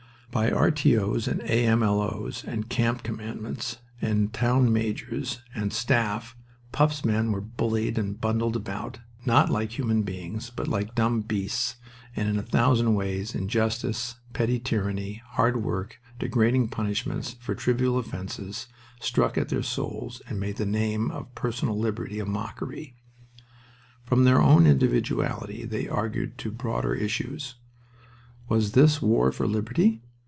By R.T.O.'s and A.M.L.O.'s and camp commandments and town majors and staff pups men were bullied and bundled about, not like human beings, but like dumb beasts, and in a thousand ways injustice, petty tyranny, hard work, degrading punishments for trivial offenses, struck at their souls and made the name of personal liberty a mockery. From their own individuality they argued to broader issues. Was this war for liberty?